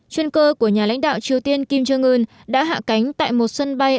chuyên cơ của nhà lãnh đạo triều tiên kim jong un đã hạ cánh tại một sân bay